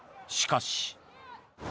しかし。